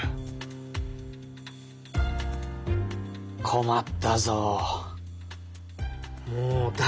困ったぞ。